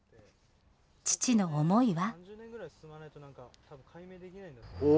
父の思いは。